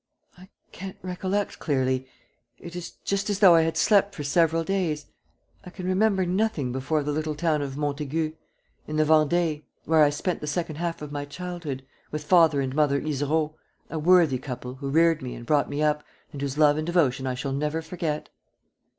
"I can't recollect clearly ... it is just as though I had slept for several days. ... I can remember nothing before the little town of Montégut, in the Vendée, where I spent the second half of my childhood, with Father and Mother Izereau, a worthy couple who reared me and brought me up and whose love and devotion I shall never forget."